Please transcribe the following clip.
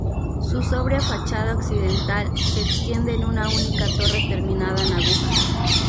Su sobria fachada occidental se extiende en una única torre terminada en aguja.